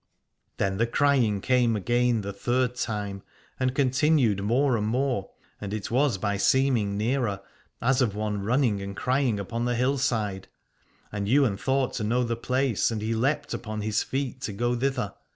Then the crying came again the third time, and continued more and more, and it was by seeming nearer, as of one running and cry ing upon the hillside; and Ywain thought to know the place, and he leapt upon his feet to go thither.